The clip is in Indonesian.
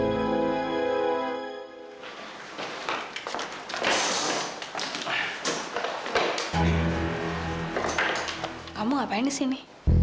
kamu ngapain di sini